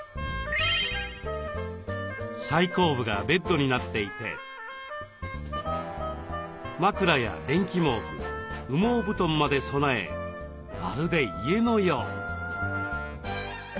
最後部がベッドになっていて枕や電気毛布羽毛布団まで備えまるで家のよう。